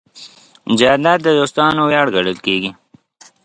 جانداد د دوستانو ویاړ ګڼل کېږي.